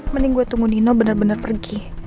mending gue tunggu nino bener bener pergi